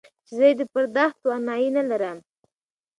چې زه يې د پرداخت توانايي نه لرم.